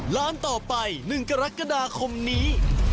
ร้านต่อไป๑กรกฎาคมนี้